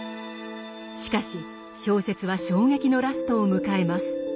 しかし小説は衝撃のラストを迎えます。